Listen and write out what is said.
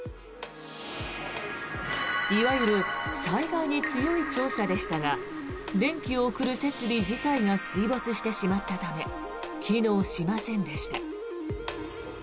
いわゆる災害に強い庁舎でしたが電気を送る設備自体が水没してしまったため機能しませんでした。